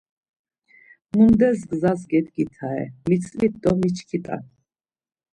Mundes gzas gedgitare mitzvit do miçkit̆an!